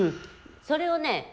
それをね